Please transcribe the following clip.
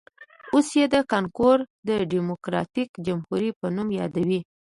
اوس یې د کانګو ډیموکراټیک جمهوریت په نوم یادوي.